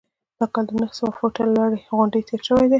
دا کانال د نهه سوه فوټه لوړې غونډۍ تیر شوی.